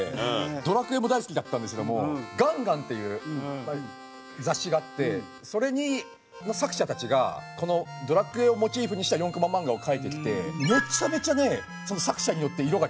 『ドラクエ』も大好きだったんですけども『ガンガン』っていう雑誌があってそれの作者たちがこの『ドラクエ』をモチーフにした４コマ漫画を描いてきてめちゃめちゃね作者によって色が違くて。